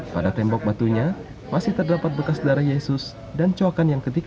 pada tembok batunya masih terdapat bekas darah yesus dan coakan yang ketiga